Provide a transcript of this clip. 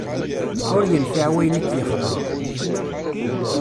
Ur yenfiε wayen i k-yexḍan